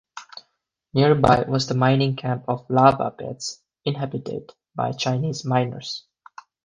Nearby was the mining camp of Lava Beds, inhabited by Chinese miners.